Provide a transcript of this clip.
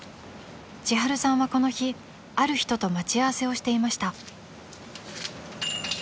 ［ちはるさんはこの日ある人と待ち合わせをしていました］